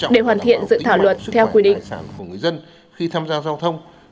để hoàn thiện dự thảo luật theo quy định